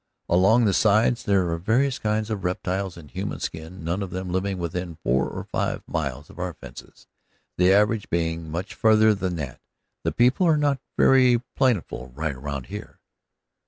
Along the sides there are various kinds of reptiles in human skin, none of them living within four or five miles of our fences, the average being much farther than that, for people are not very plentiful right around here.